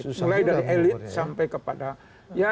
mulai dari elite sampai kepada